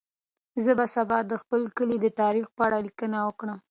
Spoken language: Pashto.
زه به سبا د خپل کلي د تاریخ په اړه لیکنه وکړم.